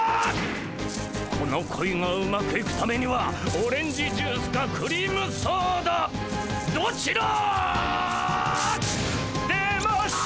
この恋がうまくいくためにはオレンジジュースかクリームソーダどちら。出ました！